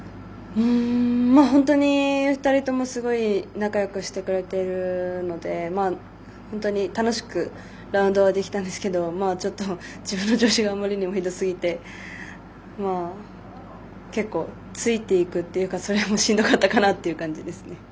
本当に２人とも仲よくしてくれてるので本当に楽しくラウンドはできたんですけどちょっと、自分の調子があまりにもひどすぎて結構、ついていくというかそれも、しんどかったかなという感じですね。